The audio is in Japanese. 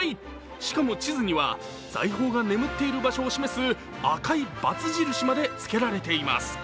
しかも地図には、財宝が眠っている場所を示す赤いバツ印までつけられています。